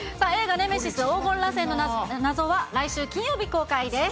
ネメシス黄金螺旋の謎は、来週金曜日公開です。